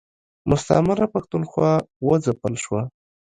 مستعمره پښتونخوا و ځپل شوه.